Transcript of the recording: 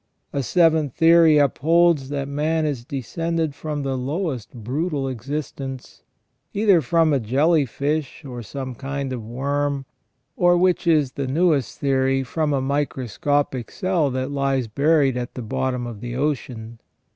A seventh theory upholds that man is descended from the lowest brutal existence, either from a jelly fish or some kind of worm, or, which is the newest theory, from a microscopic cell that lies buried at the bottom of the ocean.